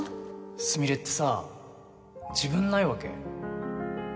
スミレってさ自分ないわけ？